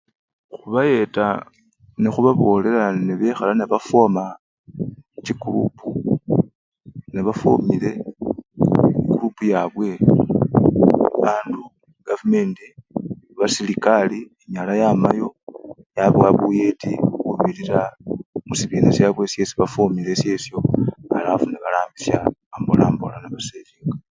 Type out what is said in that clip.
Khubayeta nekhubabolela nebekhala nekhufwoma chikurupu, nebafwomile ekurupu yabwe bandu kafumenti oba serekari enyala yamayo yabawa buyeti khubirira musibina syabwe syesi bafwomile esyesyo.